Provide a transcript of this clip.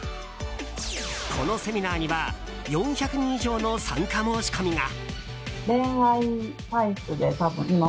このセミナーには４００人以上の参加申し込みが。